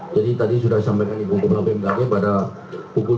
jadi tadi sudah disampaikan di bkg pada pukul tujuh belas dua